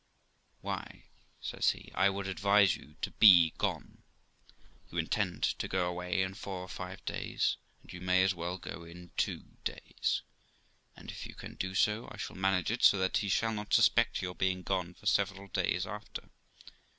'Why', says he, 'I would advise you to be gone. You intended to go away in four or five days, and you may as well go in two days; and, if you can do so, I shall manage it so that he shall not suspect your being gone for several days after.'